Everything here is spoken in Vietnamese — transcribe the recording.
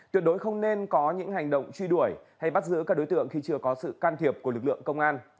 tuyệt đối không nên có những hành động truy đuổi hay bắt giữ các đối tượng khi chưa có sự can thiệp của lực lượng công an